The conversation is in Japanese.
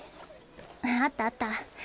あったあった。